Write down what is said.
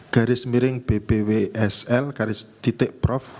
garis miring bbwsl garis titik prof